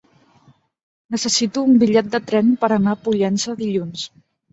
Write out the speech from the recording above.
Necessito un bitllet de tren per anar a Pollença dilluns.